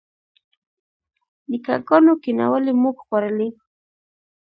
نیکه ګانو کینولي موږ خوړلي.